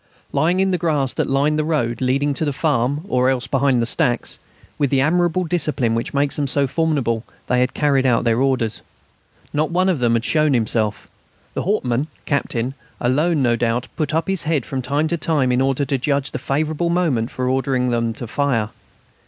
Lying in the grass that lined the road leading to the farm or else behind the stacks, with the admirable discipline which makes them so formidable, they had carried out their orders. Not one of them had shown himself. The Hauptmann (captain) alone, no doubt, put up his head from time to time in order to judge the favourable moment for ordering them to fire.